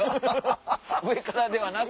上からではなく。